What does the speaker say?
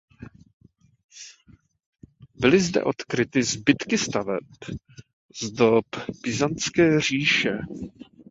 Byly zde odkryty zbytky staveb z dob byzantské říše.